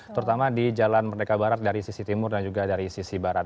terutama di jalan merdeka barat dari sisi timur dan juga dari sisi barat